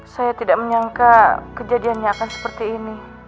saya tidak menyangka kejadiannya akan seperti ini